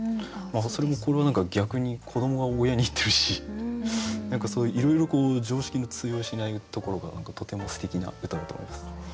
それもこれは何か逆に子どもが親に言ってるし何かそういういろいろ常識の通用しないところがとてもすてきな歌だと思います。